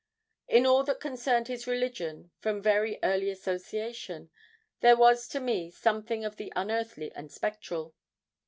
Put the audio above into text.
In all that concerned his religion, from very early association, there was to me something of the unearthly and spectral.